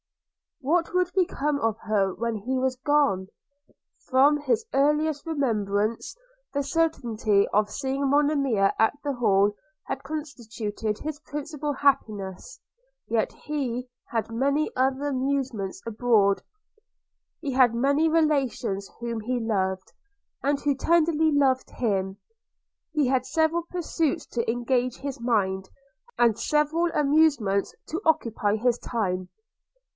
What would become of her when he was gone? From his earliest remembrance, the certainty of seeing Monimia at the Hall had constituted his principal happiness: yet he had many other amusements abroad; he had many relations whom he loved, and who tenderly loved him; he had several pursuits to engage his mind, and several amusements to occupy his time.